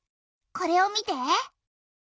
これを見て。